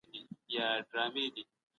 شخصي ملکیت په اسلام کي ساتل سوی دی.